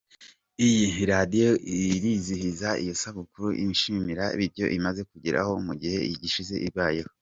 Iyi radiyo irizihiza iyo sabukuru inishimira ibyo imaze kugeraho mu gihe gishize ibayeho.